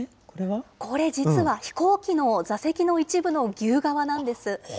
これこれ、実は飛行機の座席の一部の牛革なんです。